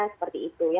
seperti itu ya